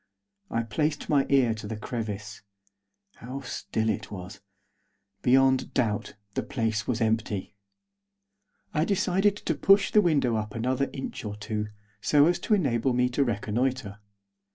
I placed my ear to the crevice. How still it was! Beyond doubt, the place was empty. I decided to push the window up another inch or two, so as to enable me to reconnoitre.